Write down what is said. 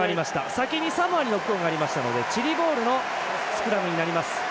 先にサモアにノックオンがありましたのでチリボールのスクラムになります。